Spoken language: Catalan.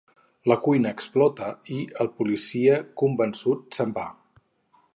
La cuina explota, i el "policia", convençut, se'n va.